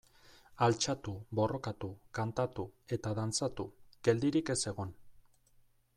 Altxatu, borrokatu, kantatu eta dantzatu, geldirik ez egon.